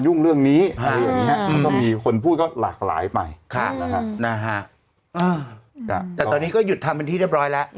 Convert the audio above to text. แต่ตอนนี้ก็หยุดทำเป็นที่เรียบร้อยแล้ว